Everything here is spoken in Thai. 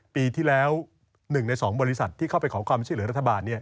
ปีที่แล้ว๑ใน๒บริษัทที่เข้าไปขอความช่วยเหลือรัฐบาล